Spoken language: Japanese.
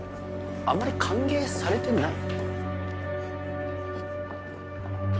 あんまり歓迎されてない？